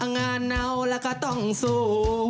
งานเนาแล้วก็ต้องสู้